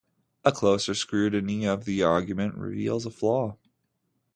A closer scrutiny of the argument reveals a flaw.